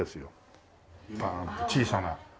バーンッて小さな。